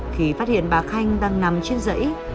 khi phát hiện bà khanh đang nằm trên dãy